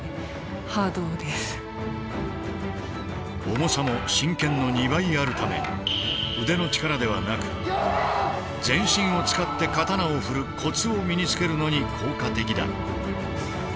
重さも真剣の２倍あるため腕の力ではなく全身を使って刀を振るコツを身につけるのに効果的だ。